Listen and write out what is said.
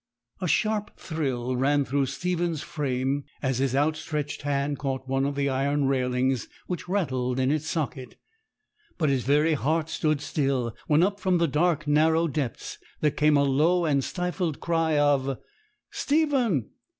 A sharp thrill ran through Stephen's frame as his outstretched hand caught one of the iron railings, which rattled in its socket; but his very heart stood still when up from the dark, narrow depths there came a low and stifled cry of 'Stephen!